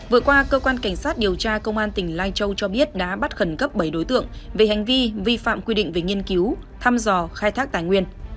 vừa qua cơ quan cảnh sát điều tra công an tỉnh lai châu cho biết đã bắt khẩn cấp bảy đối tượng về hành vi vi phạm quy định về nghiên cứu thăm dò khai thác tài nguyên